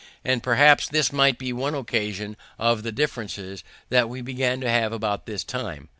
And, perhaps, this might be one occasion of the differences that we began to have about this time.